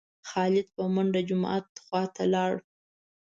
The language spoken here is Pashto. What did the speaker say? خالد په منډه جومات خوا ته لاړ.